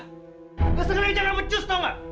rasanya kalian jangan becus tau gak